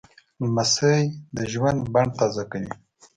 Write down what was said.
لمسی د ژوند بڼ تازه کوي.